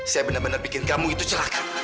saya benar benar bikin kamu itu celaka